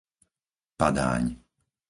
Padáň